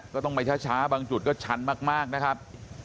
ก็ต้องไปช้าบางจุดก็ชันมากนะครับ